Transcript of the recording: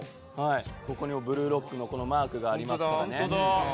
ここにも「ブルーロック」のマークがありますね。